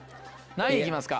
何位行きますか？